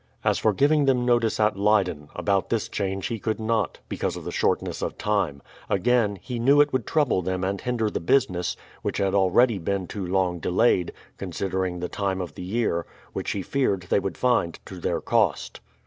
As for giving tliem notice at Leyden, about this change he could not, because of the shortness of time ; again, he knew it would trouble them and hinder the business, which had already been too long delayed, considering the time of the year, which he feared they would find to their cost.